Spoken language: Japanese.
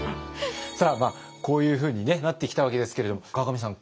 さあこういうふうになってきたわけですけれども河上さん